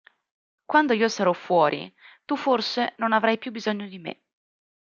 Quando io sarò fuori tu forse non avrai più bisogno di me.